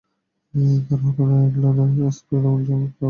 তাঁরা হলেন Alain Aspect, John Clauser ও অ্যান্টন জেইলিঙ্গার।